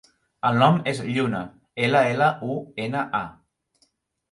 El nom és Lluna: ela, ela, u, ena, a.